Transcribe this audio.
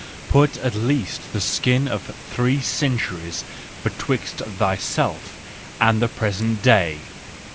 Put at least the skin of three centuries betwixt thyself and the present day!